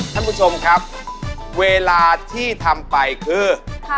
ท่านผู้ชมครับเวลาที่ทำไปคือ